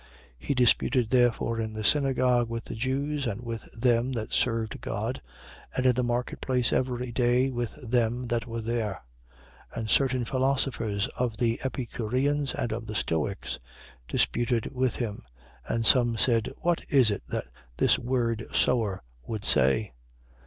17:17. He disputed, therefore, in the synagogue with the Jews and with them that served God: and in the market place, every day, with them that were there. 17:18. And certain philosophers of the Epicureans and of the Stoics disputed with him. And some said: What is it that this word sower would say?